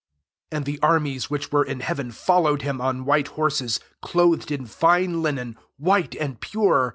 14 And the armies which were in heaven followed him on white horses, clothed in fine linen, white and pure.